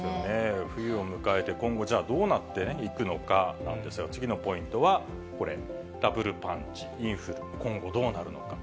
冬を迎えて、今後じゃあどうなっていくのかなんですが、次のポイントはこれ、ダブルパンチ、インフル、今後どうなるのか。